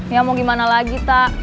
ya mau gimana lagi tak